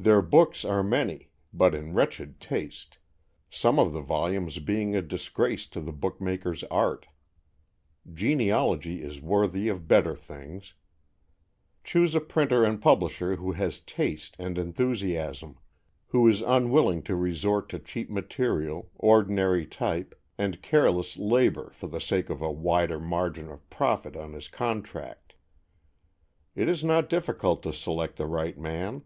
Their books are many, but in wretched taste, some of the volumes being a disgrace to the book maker's art. Genealogy is worthy of better things! Choose a printer and publisher who has taste and enthusiasm, who is unwilling to resort to cheap material, ordinary type, and careless labor for the sake of a wider margin of profit on his contract. It is not difficult to select the right man.